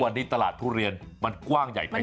ในตลาดทุเรียนเผื่อมีแพงมาก